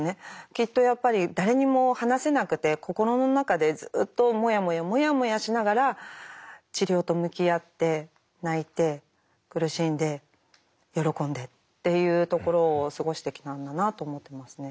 きっとやっぱり誰にも話せなくて心の中でずっとモヤモヤモヤモヤしながら治療と向き合って泣いて苦しんで喜んでっていうところを過ごしてきたんだなと思ってますね。